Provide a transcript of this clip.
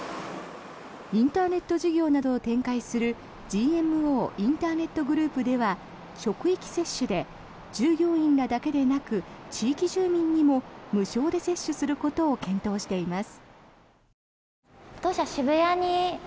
インターネット事業などを展開するＧＭＯインターネットグループでは職域接種で従業員らだけでなく地域住民にも無償で接種することを検討しています。